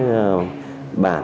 để lộ cái bản